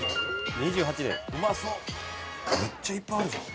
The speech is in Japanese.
めっちゃいっぱいあるじゃん。